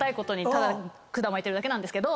ただ管巻いてるだけなんですけど。